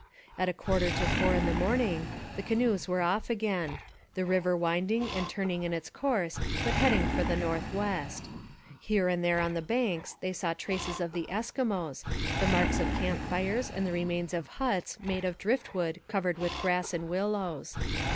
At a quarter to four in the morning, the canoes were off again, the river winding and turning in its course but heading for the north west. Here and there on the banks they saw traces of the Eskimos, the marks of camp fires, and the remains of huts, made of drift wood covered with grass and willows.